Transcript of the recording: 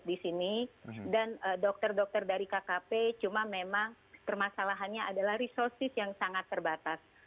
dan dokter dokter dari kkp cuma memang permasalahannya adalah resursi yang sangat terbatas